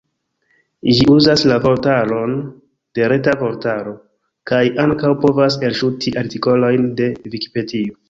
Ĝi uzas la vortaron de Reta Vortaro, kaj ankaŭ povas elŝuti artikolojn de Vikipedio.